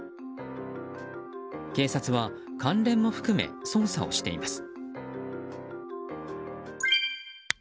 警察は関連も含め捜査をしています。